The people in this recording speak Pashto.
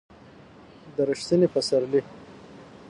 د ر یښتني پسرلي